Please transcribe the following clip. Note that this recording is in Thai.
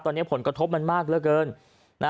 ตอนนี้ผลกระทบมันมากเหลือเกิน